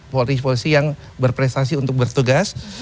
polri polisi yang berprestasi untuk bertugas